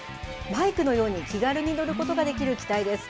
バイクのように気軽に乗ることができる機体です。